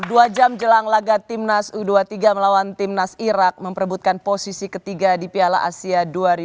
dua jam jelang laga timnas u dua puluh tiga melawan timnas irak memperebutkan posisi ketiga di piala asia dua ribu dua puluh